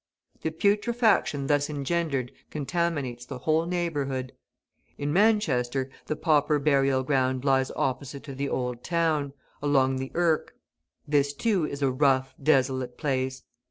The putrefaction thus engendered contaminates the whole neighbourhood. In Manchester, the pauper burial ground lies opposite to the Old Town, along the Irk: this, too, is a rough, desolate place.